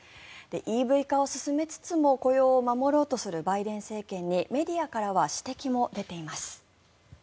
ＥＶ化を進めつつも雇用を守ろうとするバイデン政権にメディアからは指摘も出ています。